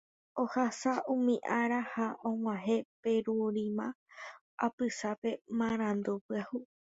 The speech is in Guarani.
Ohasa umi ára ha og̃uahẽ Perurima apysápe marandu pyahu.